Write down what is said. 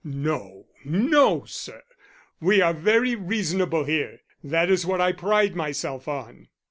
"No, no, sir, we are very reasonable here. That is what I pride myself on."